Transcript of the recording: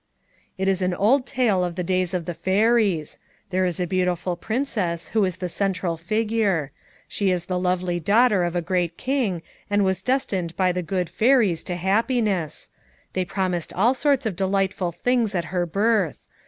"It is an old tale of the days of the fairies. There is a beautiful princess who is the central figure; she is the lovely daughter of a great king and was destined by the good fairies to happiness; they promised all sorts of delight ful things at her birth.